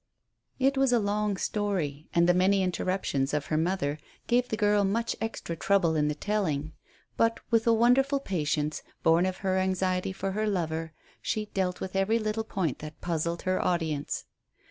It was a long story, and the many interruptions of her mother gave the girl much extra trouble in the telling; but with a wonderful patience, born of her anxiety for her lover, she dealt with every little point that puzzled her audience.